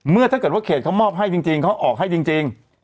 ถ้าเกิดว่าเขตเขามอบให้จริงเขาออกให้จริง